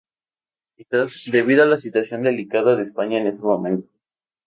Quizás debido a la situación delicada de Esparta en ese momento.